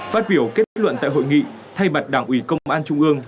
phát biểu kết luận tại hội nghị thay mặt đảng ủy công an trung ương